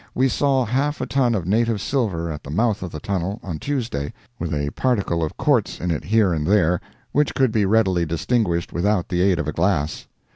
We saw half a ton of native silver at the mouth of the tunnel, on Tuesday, with a particle of quartz in it here and there, which could be readily distinguished without the aid of a glass.